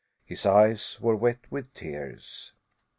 His eyes were wet with tears.